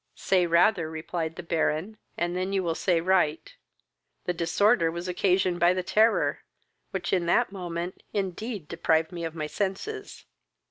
"Say rather, (replied the Baron,) and then you will say right, the disorder was occasioned by the terror, which, in that moment, indeed deprived me of my senses.